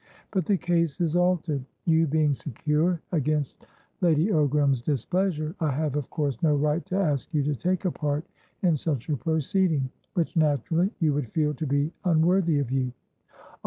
But the case is altered. You being secure against Lady Ogram's displeasure, I have, of course, no right to ask you to take a part in such a proceedingwhich naturally you would feel to be unworthy of you.